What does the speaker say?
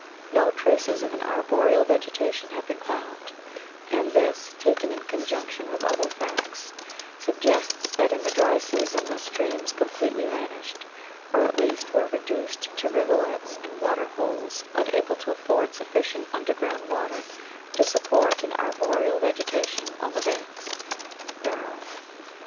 No traces of an arboreal vegetation have been found, and this, taken in conjunction with other facts, suggests that in the dry season the streams completely vanished, or at least were reduced to rivulets and water holes unable to afford sufficient underground water to support an arboreal vegetation on the banks" (Barrell).